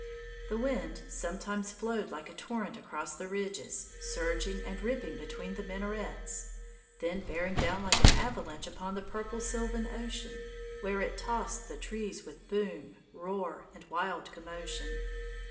The wind sometimes flowed like a torrent across the ridges, surging and ripping between the minarets, then bearing down like an avalanche upon the purple sylvan ocean, where it tossed the trees with boom, roar, and wild commotion.